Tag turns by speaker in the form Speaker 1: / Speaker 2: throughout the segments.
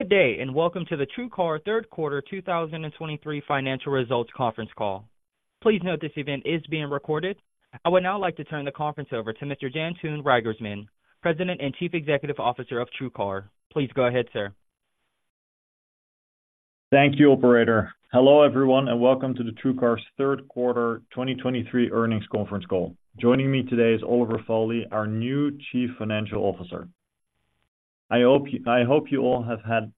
Speaker 1: Good day, and welcome to the TrueCar Third Quarter 2023 financial results conference call. Please note this event is being recorded. I would now like to turn the conference over to Mr. Jantoon Reigersman, President and Chief Executive Officer of TrueCar. Please go ahead, sir.
Speaker 2: Thank you, operator. Hello, everyone, and welcome to TrueCar's third quarter 2023 earnings conference call. Joining me today is Oliver Foley, our new Chief Financial Officer. I hope you, I hope you all have had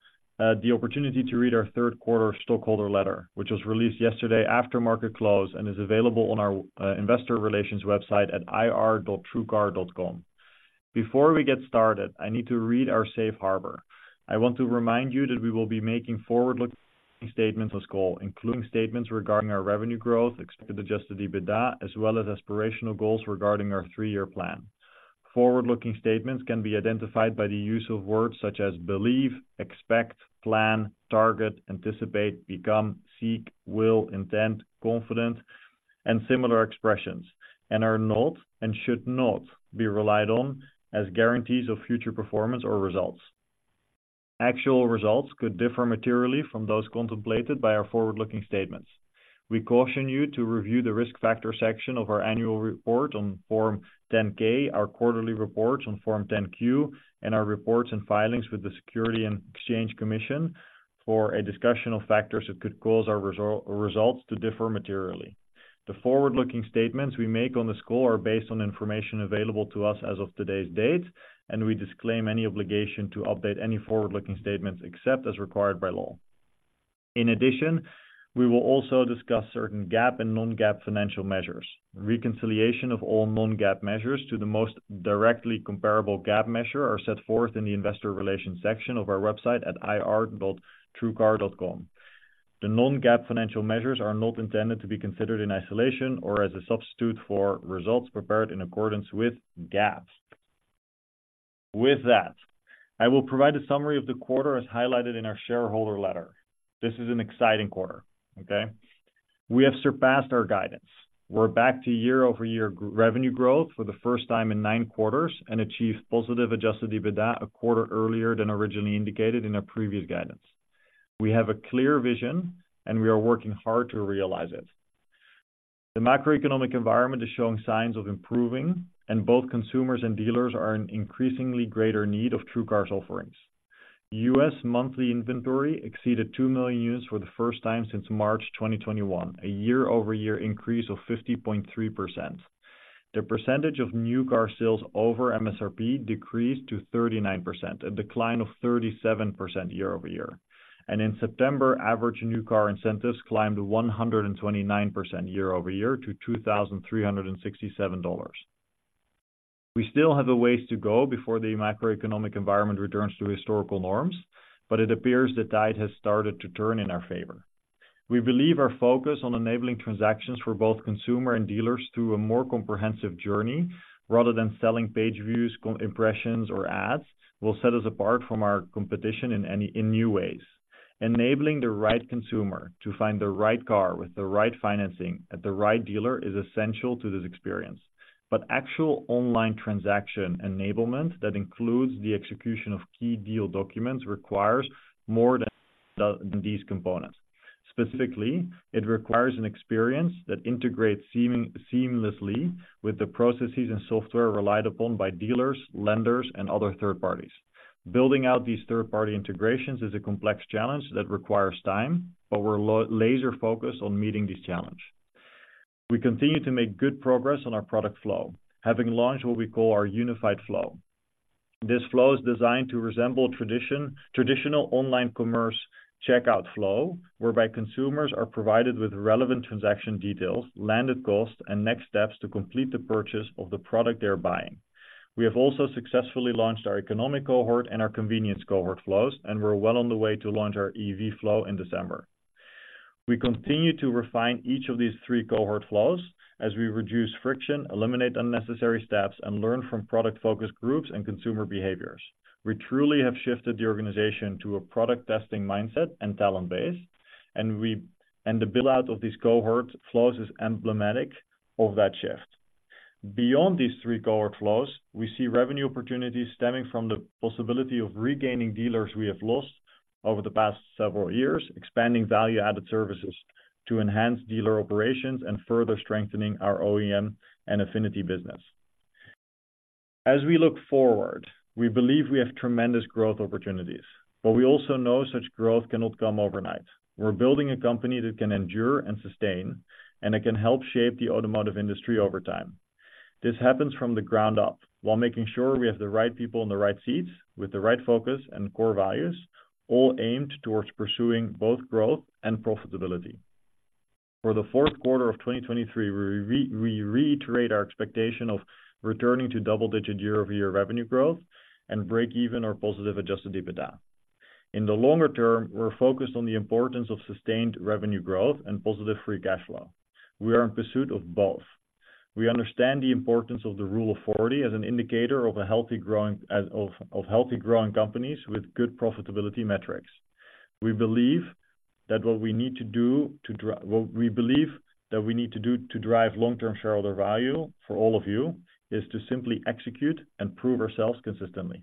Speaker 2: the opportunity to read our third quarter stockholder letter, which was released yesterday after market close and is available on our investor relations website at ir.truecar.com. Before we get started, I need to read our safe harbor. I want to remind you that we will be making forward-looking statements on this call, including statements regarding our revenue growth, expected Adjusted EBITDA, as well as aspirational goals regarding our three-year plan. Forward-looking statements can be identified by the use of words such as believe, expect, plan, target, anticipate, become, seek, will, intent, confident, and similar expressions, and are not and should not be relied on as guarantees of future performance or results. Actual results could differ materially from those contemplated by our forward-looking statements. We caution you to review the risk factor section of our annual report on Form 10-K, our quarterly reports on Form 10-Q, and our reports and filings with the Securities and Exchange Commission for a discussion of factors that could cause our results to differ materially. The forward-looking statements we make on this call are based on information available to us as of today's date, and we disclaim any obligation to update any forward-looking statements except as required by law. In addition, we will also discuss certain GAAP and non-GAAP financial measures. Reconciliation of all non-GAAP measures to the most directly comparable GAAP measure are set forth in the investor relations section of our website at ir.truecar.com. The non-GAAP financial measures are not intended to be considered in isolation or as a substitute for results prepared in accordance with GAAP. With that, I will provide a summary of the quarter as highlighted in our shareholder letter. This is an exciting quarter, okay? We have surpassed our guidance. We're back to year-over-year revenue growth for the first time in nine quarters and achieved positive Adjusted EBITDA a quarter earlier than originally indicated in our previous guidance. We have a clear vision, and we are working hard to realize it. The macroeconomic environment is showing signs of improving, and both consumers and dealers are in increasingly greater need of TrueCar's offerings. U.S. monthly inventory exceeded 2 million units for the first time since March 2021, a year-over-year increase of 50.3%. The percentage of new car sales over MSRP decreased to 39%, a decline of 37% year-over-year. In September, average new car incentives climbed 129% year-over-year to $2,367. We still have a ways to go before the macroeconomic environment returns to historical norms, but it appears the tide has started to turn in our favor. We believe our focus on enabling transactions for both consumer and dealers through a more comprehensive journey, rather than selling page views, impressions, or ads, will set us apart from our competition in any, in new ways. Enabling the right consumer to find the right car with the right financing at the right dealer is essential to this experience. But actual online transaction enablement that includes the execution of key deal documents, requires more than these components. Specifically, it requires an experience that integrates seamlessly with the processes and software relied upon by dealers, lenders, and other third parties. Building out these third-party integrations is a complex challenge that requires time, but we're laser focused on meeting this challenge. We continue to make good progress on our product flow, having launched what we call our unified flow. This flow is designed to resemble traditional online commerce checkout flow, whereby consumers are provided with relevant transaction details, landed costs, and next steps to complete the purchase of the product they're buying. We have also successfully launched our economic cohort and our convenience cohort flows, and we're well on the way to launch our EV flow in December. We continue to refine each of these three cohort flows as we reduce friction, eliminate unnecessary steps, and learn from product focus groups and consumer behaviors. We truly have shifted the organization to a product testing mindset and talent base, and the build-out of these cohort flows is emblematic of that shift. Beyond these three cohort flows, we see revenue opportunities stemming from the possibility of regaining dealers we have lost over the past several years, expanding value-added services to enhance dealer operations, and further strengthening our OEM and affinity business. As we look forward, we believe we have tremendous growth opportunities, but we also know such growth cannot come overnight. We're building a company that can endure and sustain, and it can help shape the automotive industry over time. This happens from the ground up while making sure we have the right people in the right seats with the right focus and core values, all aimed towards pursuing both growth and profitability. For the fourth quarter of 2023, we reiterate our expectation of returning to double-digit year-over-year revenue growth and break even or positive Adjusted EBITDA. In the longer term, we're focused on the importance of sustained revenue growth and positive free cash flow. We are in pursuit of both. We understand the importance of the Rule of 40 as an indicator of healthy growing companies with good profitability metrics. We believe that what we believe that we need to do to drive long-term shareholder value for all of you is to simply execute and prove ourselves consistently.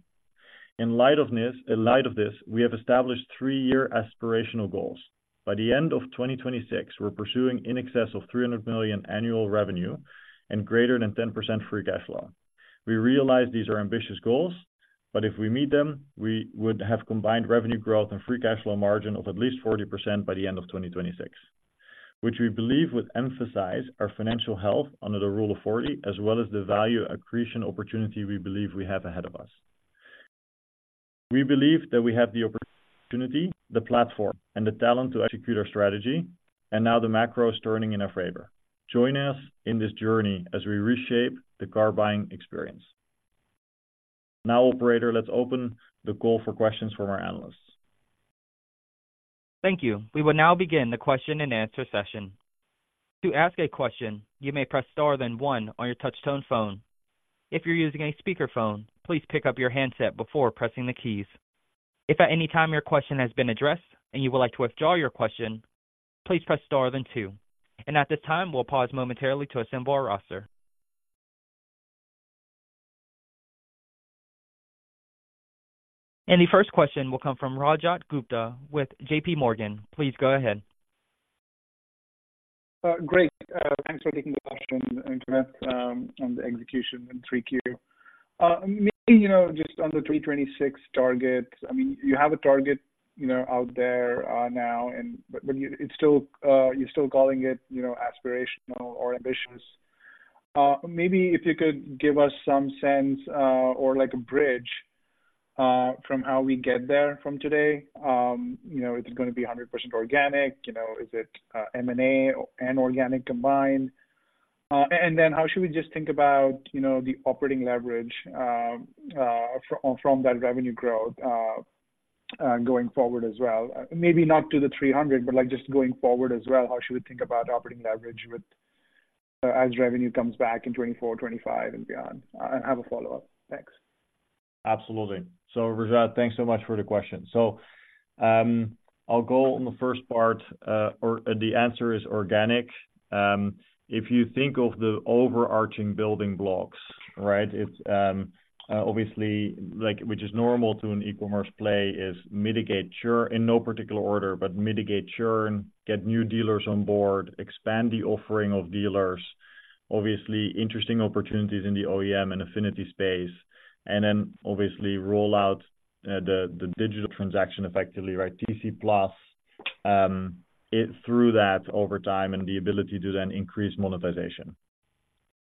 Speaker 2: In light of this, we have established three-year aspirational goals. By the end of 2026, we're pursuing in excess of $300 million annual revenue and greater than 10% free cash flow. We realize these are ambitious goals, but if we meet them, we would have combined revenue growth and free cash flow margin of at least 40% by the end of 2026, which we believe would emphasize our financial health under the Rule of 40, as well as the value accretion opportunity we believe we have ahead of us. We believe that we have the opportunity, the platform, and the talent to execute our strategy, and now the macro is turning in our favor. Join us in this journey as we reshape the car buying experience. Now, operator, let's open the call for questions from our analysts.
Speaker 1: Thank you. We will now begin the question and answer session. To ask a question, you may press Star, then one on your touch tone phone. If you're using a speakerphone, please pick up your handset before pressing the keys. If at any time your question has been addressed and you would like to withdraw your question, please press Star then two. And at this time, we'll pause momentarily to assemble our roster. And the first question will come from Rajat Gupta with J.P. Morgan. Please go ahead.
Speaker 3: Great. Thanks for taking the question, Jantoon, on the execution in 3Q. Maybe, you know, just on the 2026 target, I mean, you have a target, you know, out there, now, and but, but it's still, you're still calling it, you know, aspirational or ambitious. Maybe if you could give us some sense, or like a bridge, from how we get there from today. You know, is it gonna be 100% organic? You know, is it, M&A and organic combined? And then how should we just think about, you know, the operating leverage, from that revenue growth, going forward as well? Maybe not to the 300, but like just going forward as well, how should we think about operating leverage with, as revenue comes back in 2024, 2025 and beyond? I have a follow-up. Thanks.
Speaker 2: Absolutely. So, Rajat, thanks so much for the question. So, I'll go on the first part, or the answer is organic. If you think of the overarching building blocks, right? It's obviously, like, which is normal to an e-commerce play, is mitigate churn, in no particular order, but mitigate churn, get new dealers on board, expand the offering of dealers, obviously interesting opportunities in the OEM and affinity space, and then obviously roll out the digital transaction effectively, right, TrueCar+, it through that over time and the ability to then increase monetization.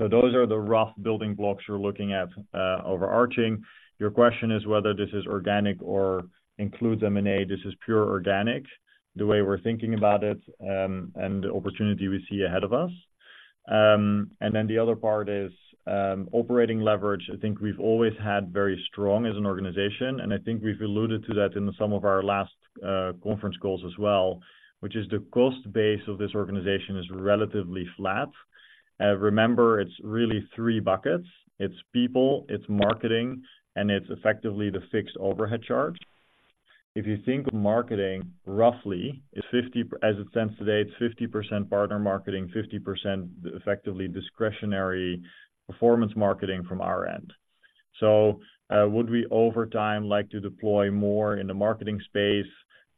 Speaker 2: So those are the rough building blocks you're looking at, overarching. Your question is whether this is organic or includes M&A. This is pure organic, the way we're thinking about it, and the opportunity we see ahead of us. And then the other part is operating leverage. I think we've always had very strong as an organization, and I think we've alluded to that in some of our last conference calls as well, which is the cost base of this organization is relatively flat. Remember, it's really three buckets. It's people, it's marketing, and it's effectively the fixed overhead charge. If you think of marketing, roughly, it's 50, as it stands today, it's 50% partner marketing, 50% effectively discretionary performance marketing from our end. So, would we, over time, like to deploy more in the marketing space?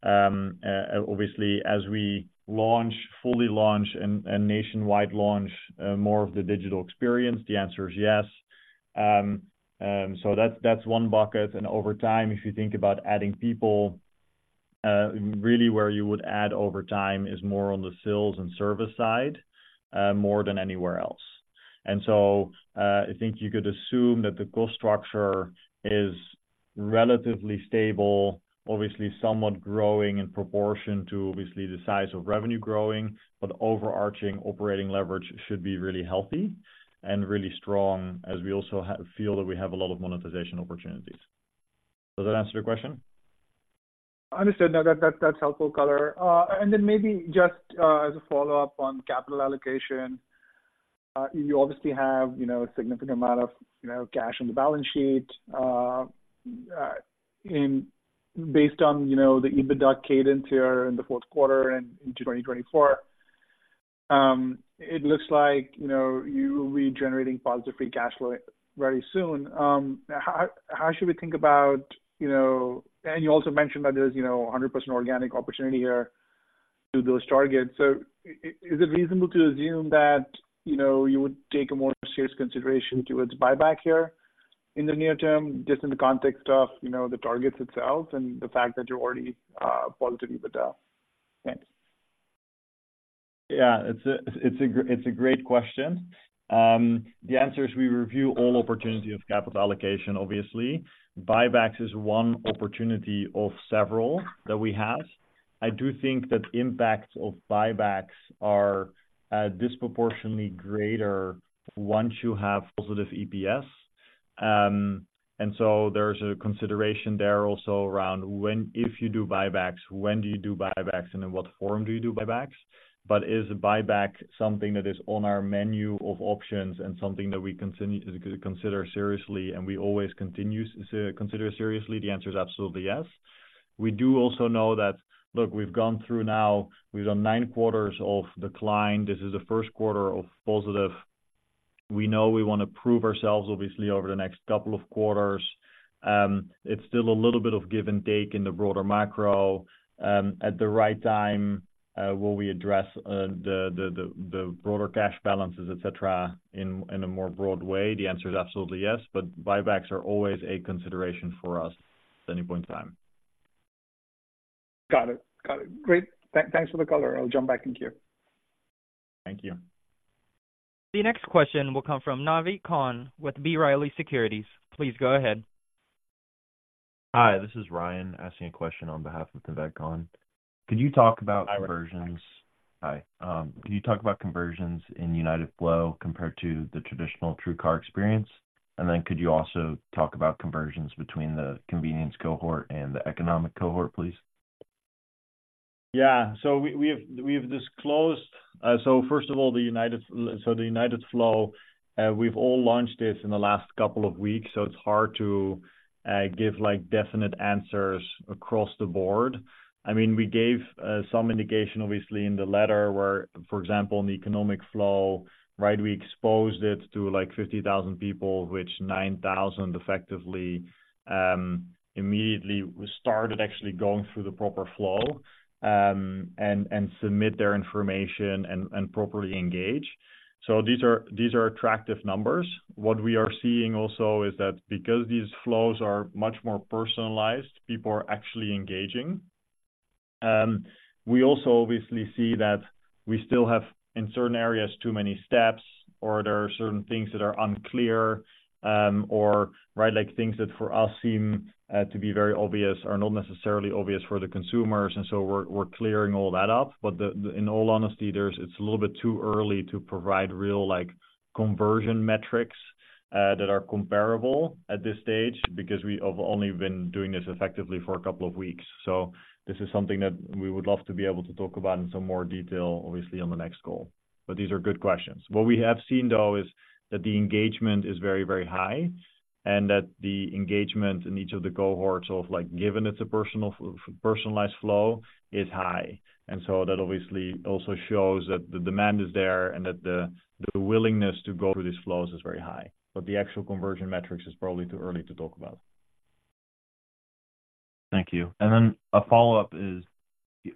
Speaker 2: Obviously, as we launch, fully launch and, and nationwide launch, more of the digital experience, the answer is yes. So that's, that's one bucket. Over time, if you think about adding people, really where you would add over time is more on the sales and service side, more than anywhere else. So, I think you could assume that the cost structure is relatively stable, obviously somewhat growing in proportion to obviously the size of revenue growing, but overarching operating leverage should be really healthy and really strong as we also feel that we have a lot of monetization opportunities. Does that answer your question?
Speaker 3: Understood. Now, that, that's helpful color. And then maybe just as a follow-up on capital allocation, you obviously have, you know, a significant amount of, you know, cash on the balance sheet. Based on, you know, the EBITDA cadence here in the fourth quarter and in 2024, it looks like, you know, you will be generating positive free cash flow very soon. How should we think about, you know. And you also mentioned that there's, you know, a 100% organic opportunity here to those targets. So is it reasonable to assume that, you know, you would take a more serious consideration towards buyback here in the near term, just in the context of, you know, the targets itself and the fact that you're already positive EBITDA? Thanks.
Speaker 2: Yeah, it's a great question. The answer is we review all opportunities of capital allocation, obviously. Buybacks is one opportunity of several that we have. I do think that impacts of buybacks are disproportionately greater once you have positive EPS. And so there's a consideration there also around when, if you do buybacks, when do you do buybacks, and in what form do you do buybacks? But is buyback something that is on our menu of options and something that we continue to consider seriously, and we always continues to consider seriously? The answer is absolutely yes... We do also know that, look, we've gone through now, we've done 9 quarters of decline. This is the first quarter of positive. We know we want to prove ourselves, obviously, over the next couple of quarters. It's still a little bit of give and take in the broader macro. At the right time, will we address the broader cash balances, et cetera, in a more broad way? The answer is absolutely yes, but buybacks are always a consideration for us at any point in time.
Speaker 3: Got it. Got it. Great. Thanks for the color. I'll jump back in queue.
Speaker 2: Thank you.
Speaker 1: The next question will come from Naved Khan with B. Riley Securities. Please go ahead.
Speaker 4: Hi, this is Ryan, asking a question on behalf of Naved Khan. Hi. Could you talk about conversions in Unified Flow compared to the traditional TrueCar experience? And then could you also talk about conversions between the convenience cohort and the economic cohort, please?
Speaker 2: Yeah. So we have disclosed—so first of all, the United Flow, we've launched this in the last couple of weeks, so it's hard to give, like, definite answers across the board. I mean, we gave some indication, obviously, in the letter where, for example, in the economic flow, right, we exposed it to, like, 50,000 people, which 9,000 effectively immediately started actually going through the proper flow, and submit their information and properly engage. So these are attractive numbers. What we are seeing also is that because these flows are much more personalized, people are actually engaging. We also obviously see that we still have, in certain areas, too many steps, or there are certain things that are unclear, or right, like, things that for us seem to be very obvious are not necessarily obvious for the consumers, and so we're, we're clearing all that up. But the—in all honesty, it's a little bit too early to provide real, like, conversion metrics that are comparable at this stage, because we have only been doing this effectively for a couple of weeks. So this is something that we would love to be able to talk about in some more detail, obviously, on the next call. But these are good questions. What we have seen, though, is that the engagement is very, very high, and that the engagement in each of the cohorts of like, given it's a personal, personalized flow, is high. And so that obviously also shows that the demand is there and that the, the willingness to go through these flows is very high. But the actual conversion metrics is probably too early to talk about.
Speaker 4: Thank you. And then a follow-up is,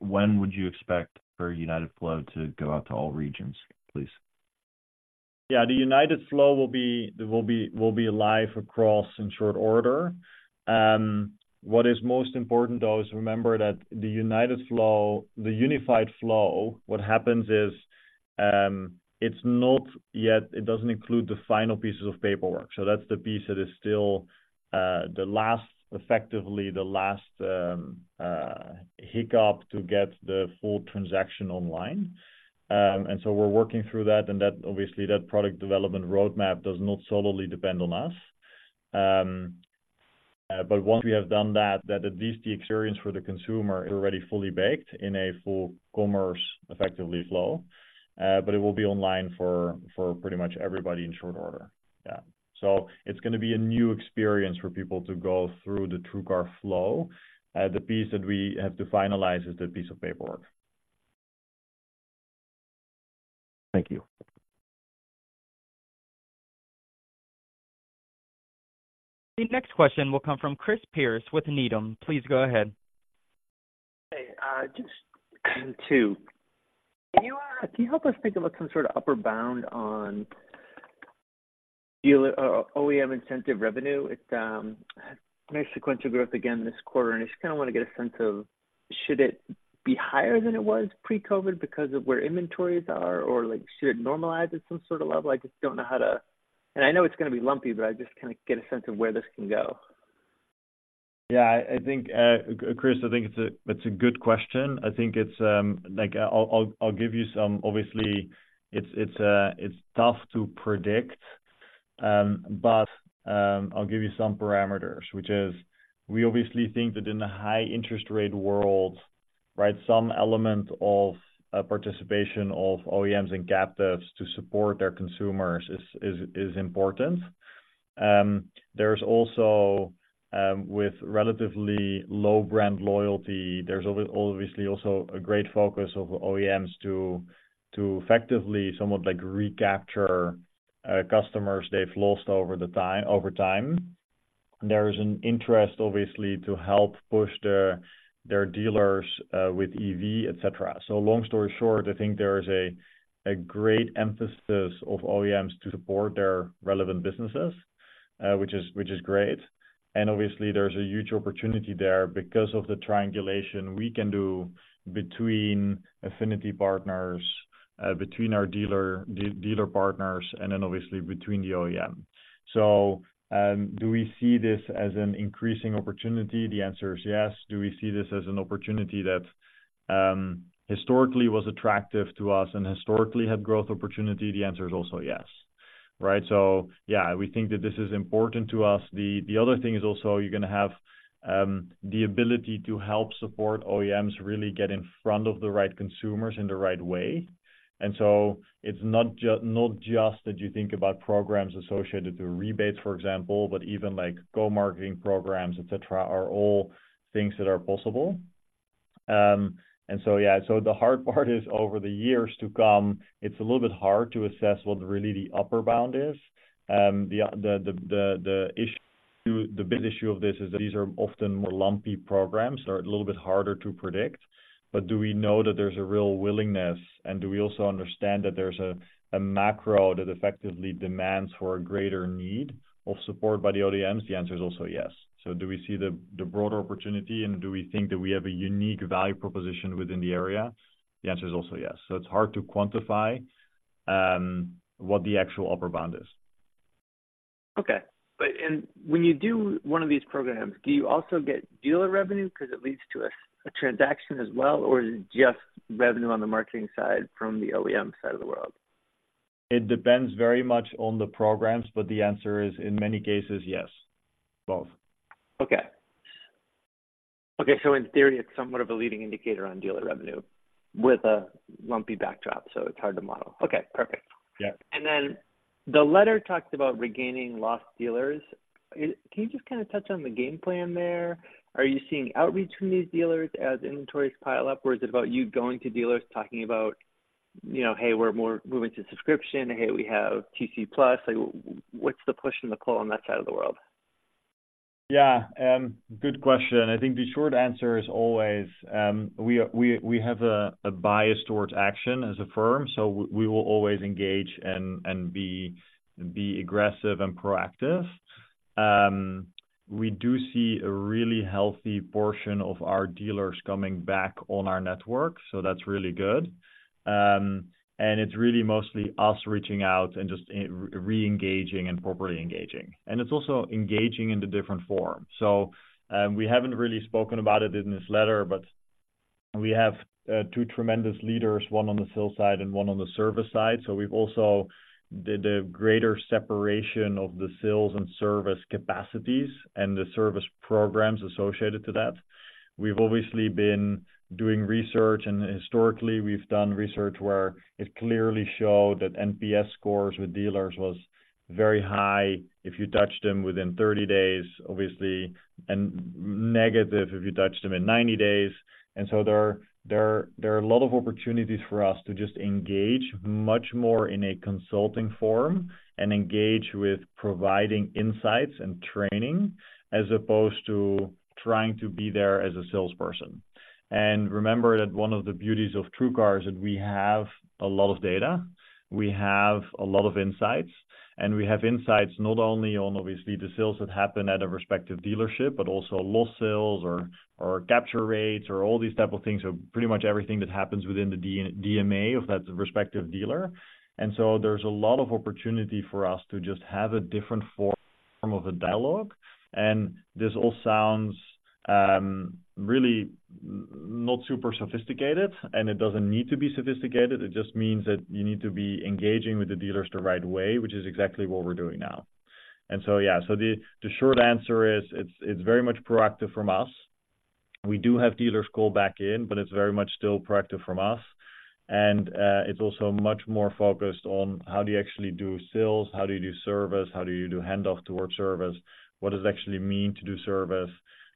Speaker 4: when would you expect for Unified Flow to go out to all regions, please?
Speaker 2: Yeah, the United Flow will be live across in short order. What is most important, though, is remember that the United Flow—the Unified Flow, what happens is, it's not yet—it doesn't include the final pieces of paperwork, so that's the piece that is still the last—effectively, the last hiccup to get the full transaction online. And so we're working through that, and that—obviously, that product development roadmap does not solely depend on us. But once we have done that, that at least the experience for the consumer is already fully baked in a full commerce, effectively flow, but it will be online for pretty much everybody in short order. Yeah. So it's gonna be a new experience for people to go through the TrueCar flow. The piece that we have to finalize is the piece of paperwork.
Speaker 4: Thank you.
Speaker 1: The next question will come from Chris Pierce with Needham. Please go ahead.
Speaker 5: Hey, just two. Can you help us think about some sort of upper bound on dealer OEM incentive revenue? It's nice sequential growth again this quarter, and I just kinda want to get a sense of, should it be higher than it was pre-COVID because of where inventories are, or, like, should it normalize at some sort of level? I just don't know how to... I know it's going to be lumpy, but I just kinda get a sense of where this can go.
Speaker 2: Yeah, I think, Chris, I think it's a good question. I think it's like, I'll give you some... Obviously, it's tough to predict, but, I'll give you some parameters, which is, we obviously think that in a high interest rate world, right, some element of participation of OEMs and captives to support their consumers is important. There's also, with relatively low brand loyalty, there's obviously also a great focus of OEMs to effectively somewhat like recapture customers they've lost over time. There is an interest, obviously, to help push their dealers with EV, et cetera. So long story short, I think there is a great emphasis of OEMs to support their relevant businesses, which is great. And obviously, there's a huge opportunity there. Because of the triangulation we can do between affinity partners, between our dealer partners, and then obviously between the OEM. So, do we see this as an increasing opportunity? The answer is yes. Do we see this as an opportunity that, historically was attractive to us and historically had growth opportunity? The answer is also yes. Right? So yeah, we think that this is important to us. The other thing is also you're gonna have the ability to help support OEMs really get in front of the right consumers in the right way. And so it's not just, not just that you think about programs associated to rebates, for example, but even like go-marketing programs, et cetera, are all things that are possible. So, yeah, the hard part is over the years to come; it's a little bit hard to assess what really the upper bound is. The big issue of this is that these are often more lumpy programs that are a little bit harder to predict. But do we know that there's a real willingness, and do we also understand that there's a macro that effectively demands for a greater need of support by the OEMs? The answer is also yes. So do we see the broader opportunity, and do we think that we have a unique value proposition within the area? The answer is also yes. So it's hard to quantify what the actual upper bound is.
Speaker 5: Okay. But, and when you do one of these programs, do you also get dealer revenue because it leads to a transaction as well? Or is it just revenue on the marketing side from the OEM side of the world?
Speaker 2: It depends very much on the programs, but the answer is, in many cases, yes, both.
Speaker 5: Okay. Okay, so in theory, it's somewhat of a leading indicator on dealer revenue with a lumpy backdrop, so it's hard to model. Okay, perfect.
Speaker 2: Yeah.
Speaker 5: Then the letter talks about regaining lost dealers. Can you just kinda touch on the game plan there? Are you seeing outreach from these dealers as inventories pile up, or is it about you going to dealers, talking about, you know, "Hey, we're more moving to subscription," "Hey, we have TrueCar+." Like, what's the push and the pull on that side of the world?
Speaker 2: Yeah, good question. I think the short answer is always, we have a bias towards action as a firm, so we will always engage and be aggressive and proactive. We do see a really healthy portion of our dealers coming back on our network, so that's really good. And it's really mostly us reaching out and just re-engaging and properly engaging, and it's also engaging in the different forms. So, we haven't really spoken about it in this letter, but we have two tremendous leaders, one on the sales side and one on the service side. So we've also did a greater separation of the sales and service capacities and the service programs associated to that. We've obviously been doing research, and historically we've done research where it clearly showed that NPS scores with dealers was very high if you touched them within 30 days, obviously, and negative if you touched them in 90 days. And so there are a lot of opportunities for us to just engage much more in a consulting form and engage with providing insights and training, as opposed to trying to be there as a salesperson. And remember that one of the beauties of TrueCar is that we have a lot of data, we have a lot of insights, and we have insights not only on obviously the sales that happen at a respective dealership, but also lost sales or capture rates or all these type of things. So pretty much everything that happens within the DMA of that respective dealer. And so there's a lot of opportunity for us to just have a different form of a dialogue. This all sounds really not super sophisticated, and it doesn't need to be sophisticated. It just means that you need to be engaging with the dealers the right way, which is exactly what we're doing now. So, yeah, the short answer is: it's very much proactive from us. We do have dealers call back in, but it's very much still proactive from us. And it's also much more focused on how do you actually do sales, how do you do service, how do you do handoff towards service? What does it actually mean to do service?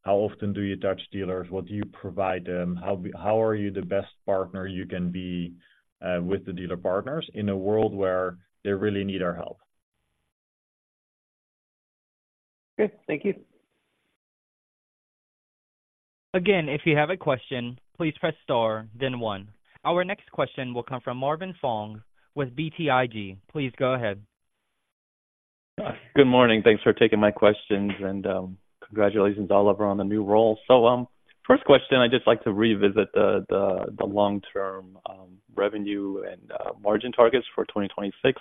Speaker 2: How often do you touch dealers? What do you provide them? How are you the best partner you can be, with the dealer partners in a world where they really need our help?
Speaker 5: Okay, thank you.
Speaker 1: Again, if you have a question, please press Star, then One. Our next question will come from Marvin Fong with BTIG. Please go ahead.
Speaker 6: Good morning. Thanks for taking my questions, and, congratulations, Oliver, on the new role. So, first question, I'd just like to revisit the long-term revenue and margin targets for 2026.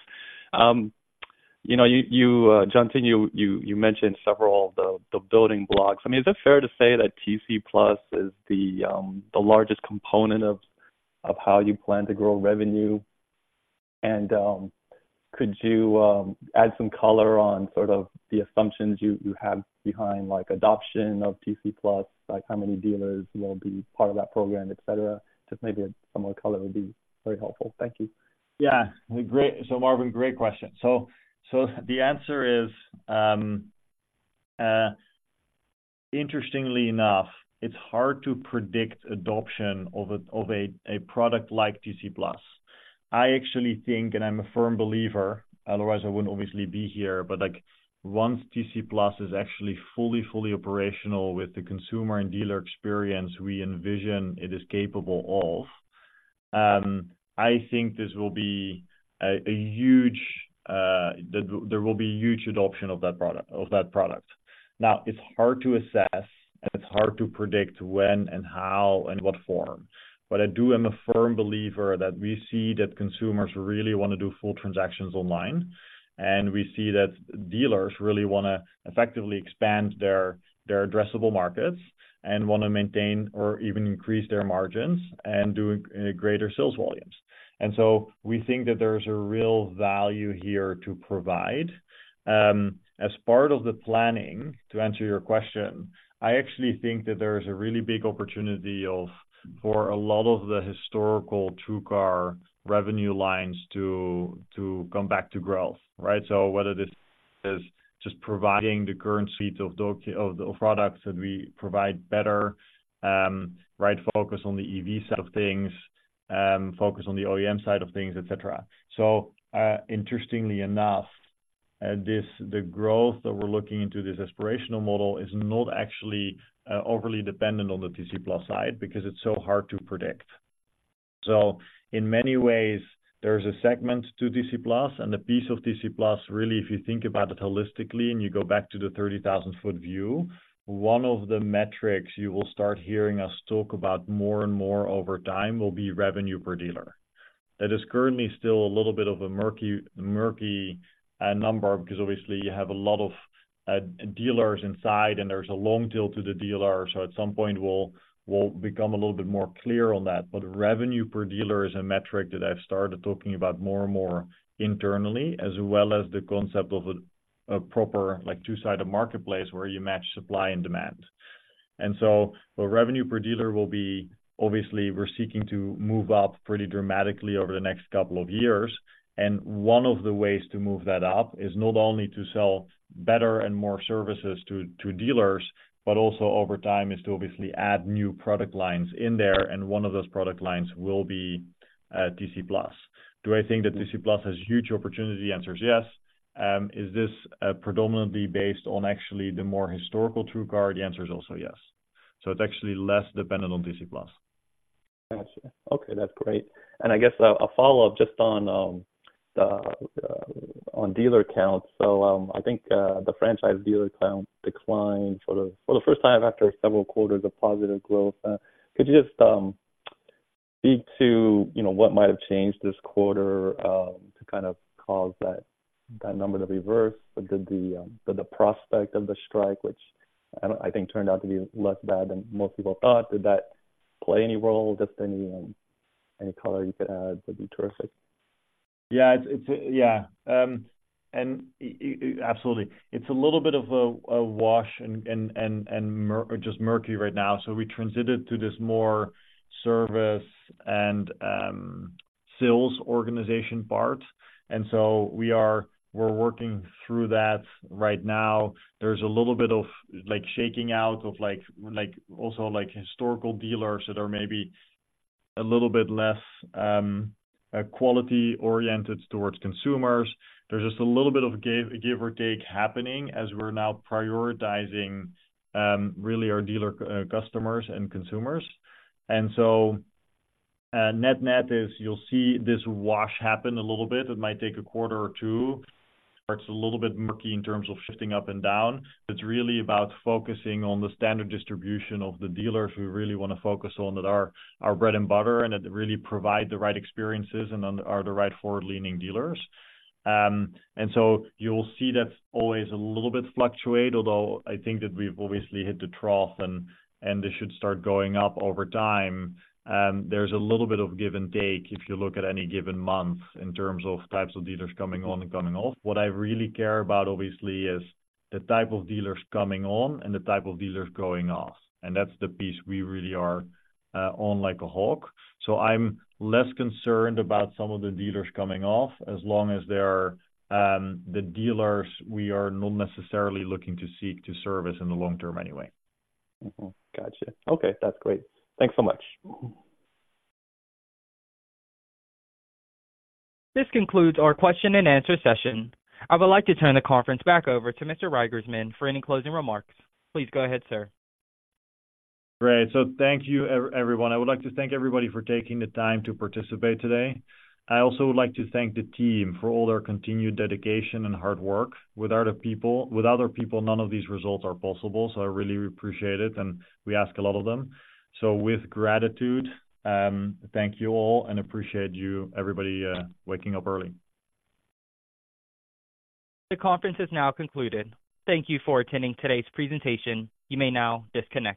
Speaker 6: You know, Jantoon, you mentioned several of the building blocks. I mean, is it fair to say that TC Plus is the largest component of how you plan to grow revenue? And, could you add some color on sort of the assumptions you have behind, like, adoption of TC Plus, like how many dealers will be part of that program, et cetera? Just maybe some more color would be very helpful. Thank you.
Speaker 2: Yeah. Great. So Marvin, great question. So the answer is, interestingly enough, it's hard to predict adoption of a product like TrueCar+. I actually think, and I'm a firm believer, otherwise I wouldn't obviously be here, but, like, once TrueCar+ is actually fully operational with the consumer and dealer experience we envision it is capable of, I think this will be a huge... there will be huge adoption of that product, of that product. Now, it's hard to assess, and it's hard to predict when and how and what form, but I do am a firm believer that we see that consumers really want to do full transactions online, and we see that dealers really wanna effectively expand their addressable markets and want to maintain or even increase their margins and do greater sales volumes. And so we think that there's a real value here to provide. As part of the planning, to answer your question, I actually think that there is a really big opportunity for a lot of the historical TrueCar revenue lines to come back to growth, right? So whether it is just providing the current suite of products that we provide better, right focus on the EV side of things, focus on the OEM side of things, et cetera. So, interestingly enough, the growth that we're looking into, this aspirational model, is not actually overly dependent on the TrueCar+ side because it's so hard to predict. So in many ways, there's a segment to TC Plus and a piece of TC Plus, really, if you think about it holistically, and you go back to the 30,000-foot view, one of the metrics you will start hearing us talk about more and more over time will be revenue per dealer. That is currently still a little bit of a murky, murky number, because obviously you have a lot of dealers inside, and there's a long tail to the dealer. So at some point, we'll, we'll become a little bit more clear on that. But revenue per dealer is a metric that I've started talking about more and more internally, as well as the concept of a, a proper, like, two-sided marketplace where you match supply and demand. And so revenue per dealer will be obviously, we're seeking to move up pretty dramatically over the next couple of years, and one of the ways to move that up is not only to sell better and more services to, to dealers, but also over time, is to obviously add new product lines in there, and one of those product lines will be TC Plus. Do I think that TC Plus has huge opportunity? The answer is yes. Is this predominantly based on actually the more historical TrueCar? The answer is also yes. So it's actually less dependent on TC Plus.
Speaker 6: Gotcha. Okay, that's great. And I guess a follow-up just on the dealer counts. So, I think the franchise dealer count declined for the first time after several quarters of positive growth. Could you just speak to, you know, what might have changed this quarter to kind of cause that number to reverse? But did the prospect of the strike, which I think turned out to be less bad than most people thought, did that play any role? Just any color you could add would be terrific.
Speaker 2: Yeah, it's... Yeah, and absolutely. It's a little bit of a wash and just murky right now. So we transited to this more service and sales organization part, and so we are working through that right now. There's a little bit of, like, also, like, historical dealers that are maybe a little bit less quality-oriented towards consumers. There's just a little bit of give or take happening as we're now prioritizing really our dealer customers and consumers. And so net-net is, you'll see this wash happen a little bit. It might take a quarter or two, where it's a little bit murky in terms of shifting up and down. It's really about focusing on the standard distribution of the dealers who really want to focus on that are our bread and butter, and that really provide the right experiences and are the right forward-leaning dealers. And so you'll see that always a little bit fluctuate, although I think that we've obviously hit the trough, and this should start going up over time. There's a little bit of give and take if you look at any given month in terms of types of dealers coming on and coming off. What I really care about, obviously, is the type of dealers coming on and the type of dealers going off, and that's the piece we really are on like a hawk. So I'm less concerned about some of the dealers coming off, as long as they're the dealers we are not necessarily looking to seek to service in the long term anyway.
Speaker 6: Mm-hmm. Gotcha. Okay, that's great. Thanks so much.
Speaker 1: This concludes our question and answer session. I would like to turn the conference back over to Mr. Reigersman for any closing remarks. Please go ahead, sir.
Speaker 2: Great. So thank you, everyone. I would like to thank everybody for taking the time to participate today. I also would like to thank the team for all their continued dedication and hard work. Without other people, none of these results are possible, so I really appreciate it, and we ask a lot of them. So with gratitude, thank you all and appreciate you, everybody, waking up early.
Speaker 1: The conference is now concluded. Thank you for attending today's presentation. You may now disconnect.